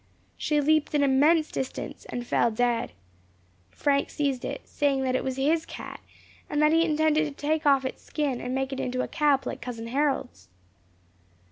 She leaped an immense distance, and fell dead. Frank seized it, saying it was his cat, and that he intended to take off its skin, and make it into a cap like cousin Harold's.